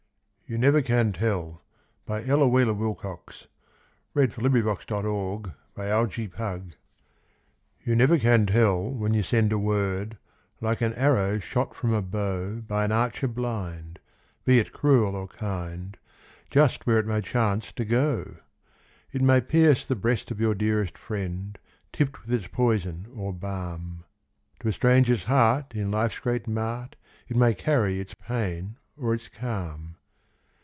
ely beautiful, For through them shone the lustrous eyes of Love. YOU NEVER CAN TELL You never can tell when you send a word, Like an arrow shot from a bow By an archer blind, be it cruel or kind, Just where it may chance to go! It may pierce the breast of your dearest friend, Tipped with its poison or balm; To a stranger's heart in life's great mart, It may carry its pain or its calm.